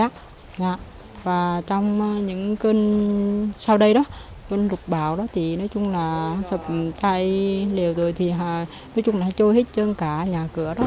dạ và trong những cơn sau đây đó cơn lục bão đó thì nói chung là sập chai liều rồi thì nói chung là trôi hết chân cả nhà cửa đó